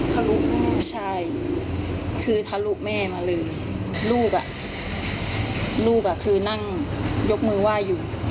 ทะลุใช่คือทะลุแม่มาเลยลูกอ่ะลูกลูกอ่ะคือนั่งยกมือไหว้อยู่